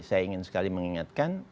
saya ingin sekali mengingatkan